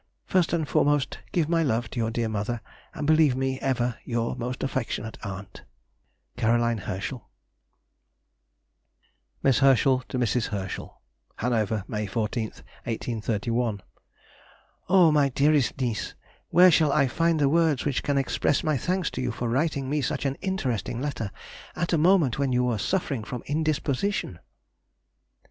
First and foremost, give my love to your dear mother, and believe me, ever your most affectionate aunt, C. HERSCHEL. [Sidenote: 1831. Letter to her Niece.] MISS HERSCHEL TO MRS. HERSCHEL. HANOVER, May 14, 1831. O! my dearest niece, where shall I find words which can express my thanks to you for writing me such an interesting letter, at a moment when you were suffering from indisposition!